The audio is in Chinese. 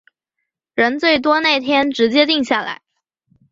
人最多那天直接定下来